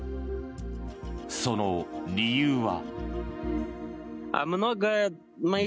その理由は。